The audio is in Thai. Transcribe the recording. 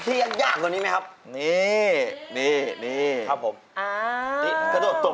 ก็ลองจะบีดพื้นแล้วทำอะไรอีกลูก